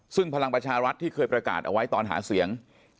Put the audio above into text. ซึ่งพลังประชารัฐที่เคยประกาศเอาไว้ตอนหาเสียง